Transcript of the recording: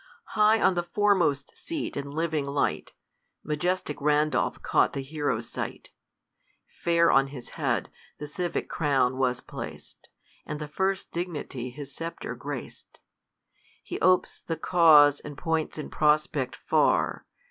High on the foremost seat, in living light, Majestic Randolph caught the hero's sight :, Fair on his head, the civic crown was plac'd, And the first dignity his sceptre grac'd. He opes the cause, and points in prospect far